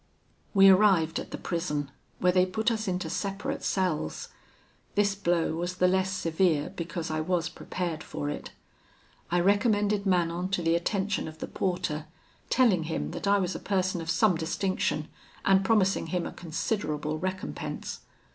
"We arrived at the prison, where they put us into separate cells. This blow was the less severe, because I was prepared for it. I recommended Manon to the attention of the porter, telling him that I was a person of some distinction, and promising him a considerable recompense.